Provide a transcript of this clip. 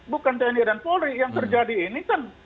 bukan tni dan polri yang terjadi ini kan